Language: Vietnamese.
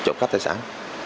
trộm cấp tài sản